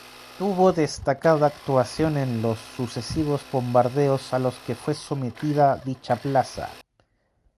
Tuvo destacada actuación en los sucesivos bombardeos a los que fue sometida dicha plaza.